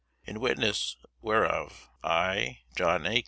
In witness whereof, I, John A.